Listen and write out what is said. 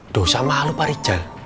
dosa malu pak rijal